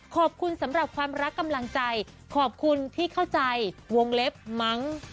ขอบคุณสำหรับความรักกำลังใจขอบคุณที่เข้าใจวงเล็บมั้ง